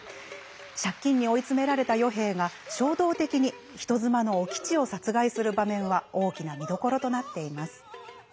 借金に追い詰められた与兵衛が衝動的に人妻のお吉を殺害する場面は大きな見どころとなっています。